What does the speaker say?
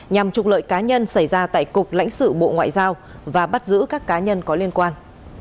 nhằm trục lợi cá nhân xảy ra tại cục lãnh sự bộ ngoại giao và bắt giữ các cá nhân có liên quan